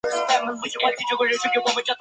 元朔匈奴祭祀祖先的龙城。